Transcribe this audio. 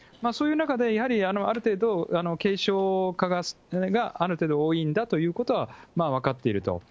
そういう中でやはり、ある程度、軽症化がある程度多いんだということは、分かっていると。